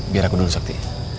biar aku dulu sakti